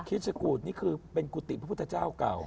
ชกูธนี่คือเป็นกุฏิพระพุทธเจ้าเก่า